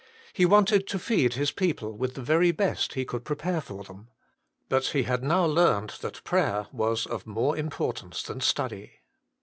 He wanted to feed his people with the very best he could prepare for them. But he had now learned that prayer was of more importance than study.